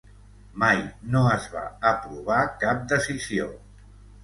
Mai no es va aprovar cap decisió.